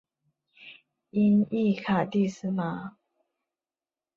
音译卡蒂斯玛。